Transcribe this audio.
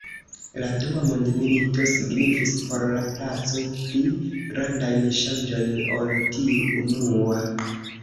La dua mondmilito signifis por la placo pli grandajn ŝanĝojn ol tiu unua.